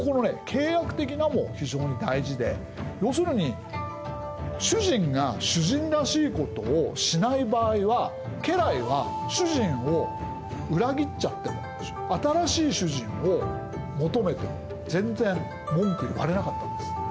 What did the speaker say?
「契約的な」も非常に大事で要するに主人が主人らしいことをしない場合は家来は主人を裏切っちゃっても新しい主人を求めても全然文句言われなかったんです。